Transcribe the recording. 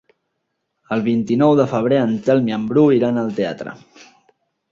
El vint-i-nou de febrer en Telm i en Bru iran al teatre.